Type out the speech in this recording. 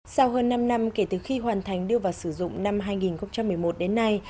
sau hơn năm năm kể từ khi hoàn thành đưa vào sử dụng năm hai nghìn một mươi một đến nay